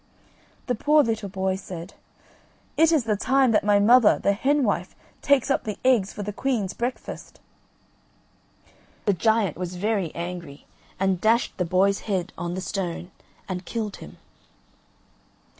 The poor little boy said: "It is the time that my mother, the hen wife, takes up the eggs for the queen's breakfast." The Giant was very angry, and dashed the boy's head on the stone and killed him.